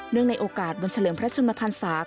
เนื่องในโอกาสวนเฉลิมพระชุมภัณฑ์ศาสตร์